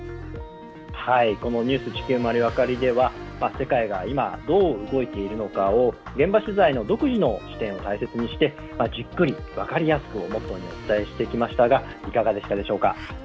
この「ニュース地球まるわかり」では世界が今、どう動いているのかを現場取材の独自の視点を大切にしてじっくり分かりやすくをモットーにお伝えしてきましたがいかがでしたでしょうか。